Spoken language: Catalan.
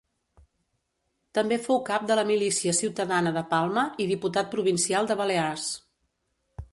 També fou cap de la Milícia Ciutadana de Palma i diputat provincial de Balears.